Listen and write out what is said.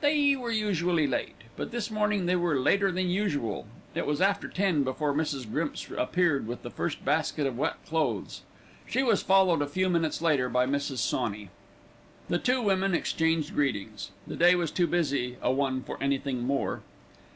They were usually late; but this morning they were later than usual. It was after ten before Mrs. Grimps appeared with the first basket of wet clothes. She was followed a few minutes later by Mrs. Sawney. The two women exchanged greetings, the day was too busy a one for anything more.